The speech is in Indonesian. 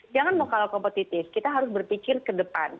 jangan mau kalah kompetitif kita harus berpikir ke depan